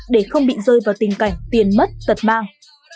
để không bị rơi vào tình cảnh tiền mất tật mang